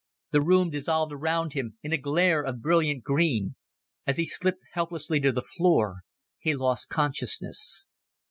The room dissolved around him in a glare of brilliant green. As he slipped helplessly to the floor, he lost consciousness.